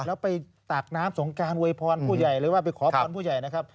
แล้วไปตากน้ำสงการโวยพรผู้ใหญ่หรือว่าไปขอพรผู้ใหญ่นะครับ